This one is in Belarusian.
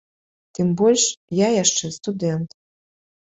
Тым больш, я яшчэ студэнт.